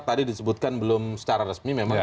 tadi disebutkan belum secara resmi memang